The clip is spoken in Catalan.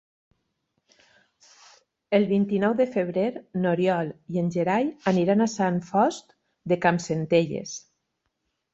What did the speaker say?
El vint-i-nou de febrer n'Oriol i en Gerai aniran a Sant Fost de Campsentelles.